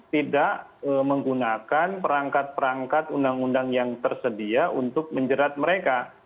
tidak menggunakan perangkat perangkat undang undang yang tersedia untuk menjerat mereka